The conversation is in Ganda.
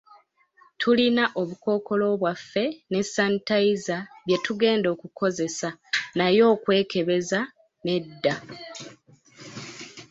Tulina obukookolo bwaffe, ne sanitayiza bye tugenda okukozesa naye okwekebezeza nedda.